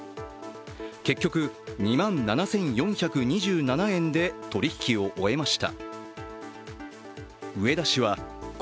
結局２万７４２７円で取引を終えました。